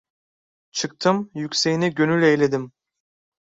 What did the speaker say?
Çıktım yükseğine gönül eğledim.